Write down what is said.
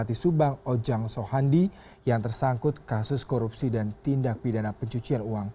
imas akan memasuki masa cuti